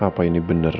apa ini benar roy